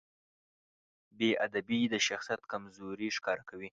بېادبي د شخصیت کمزوري ښکاره کوي.